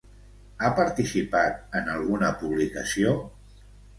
Ha participat en alguna publicació?